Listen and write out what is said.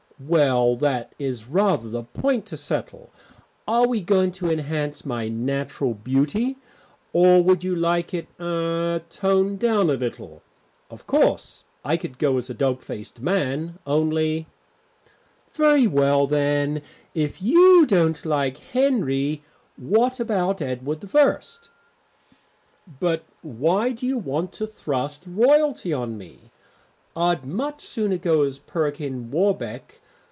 "Well, that is rather the point to settle. Are we going to enhance my natural beauty, or would you like it er toned down a little? Of course, I could go as the dog faced man, only " "Very well then, if you don't like Henry, what about Edward I?" "But why do you want to thrust royalty on me? I'd much sooner go as Perkin Warbeck.